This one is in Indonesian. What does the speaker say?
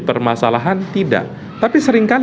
permasalahan tidak tapi seringkali